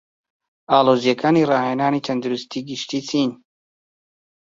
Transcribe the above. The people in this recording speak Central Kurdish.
ئاڵۆزیەکانی ڕاهێنانی تەندروستی گشتی چین؟